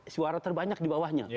suara terbanyak di bawahnya